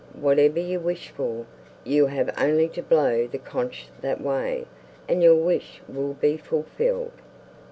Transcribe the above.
whatever you wish for, you have only to blow the conch that way, and your wish will be fulfilled.